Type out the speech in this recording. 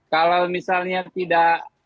kalau misalnya tidak